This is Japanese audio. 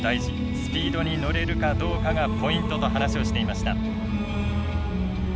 スピードに乗れるかどうかがポイント」と話をしていました。